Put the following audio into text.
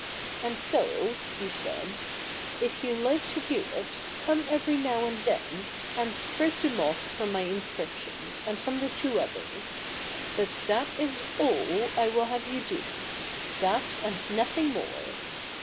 " And so," he said, " if you like to do it, come every now and then, and scrape the moss from my inscription, and from the two others. But that is all 1 will have you do — that, and nothing more.